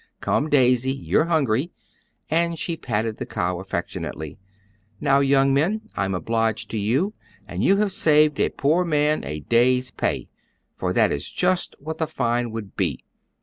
Come, Daisy, you're hungry," and she patted the cow affectionately. "Now, young men, I'm obliged to you, and you have saved a poor man a day's pay, for that is just what the fine would be.